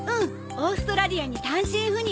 オーストラリアに単身赴任。